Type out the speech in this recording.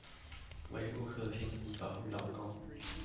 維護和平以保護勞工